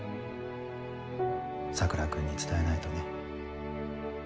桜君に伝えないとね。